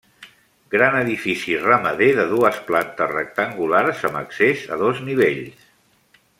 Gran edifici ramader de dues plantes rectangulars amb accés a dos nivells.